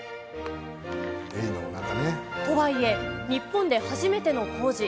とはいえ、日本で初めての工事。